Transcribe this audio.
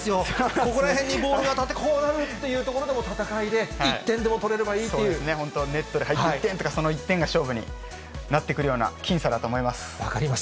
ここら辺にボールが当たってこうなるっていうところでも戦いで、本当、ネットで入って１点とか、その１点が勝負になってくるような僅差だと思います。